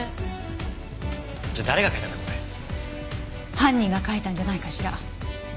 犯人が書いたんじゃないかしら？